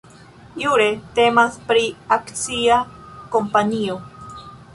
Jure temas pri akcia kompanio.